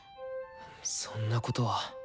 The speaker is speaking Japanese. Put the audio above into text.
そんなことは。